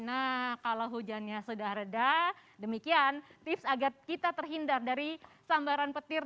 nah kalau hujannya sudah reda demikian tips agar kita terhindar dari sambaran petir